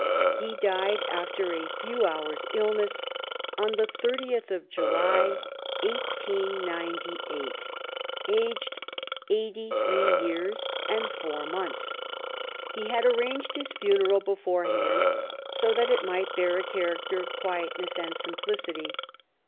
He died, after a few hours' illness, on the 30th of July, 1898, aged eighty three years and four months. He had arranged his funeral beforehand, so that it might bear a character of quietness and simplicity.